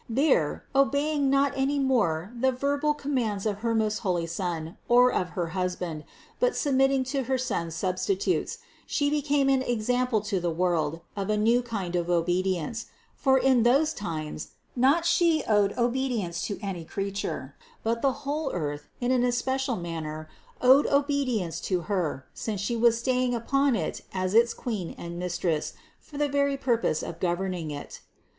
There, obeying not any more the verbal com mands of her most holy Son, or of her husband, but sub mitting to her Son's substitutes, She became an example to the world of a new kind of obedience; for in those times, not She owed obedience to any creature, but the whole earth, in an especial manner, owed obedience to Her, since She was staying upon it as its Queen and Mistress for the very purpose of governing it.